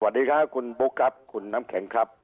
สวัสดีค่ะคุณบุ๊คครับคุณน้ำแข็งครับ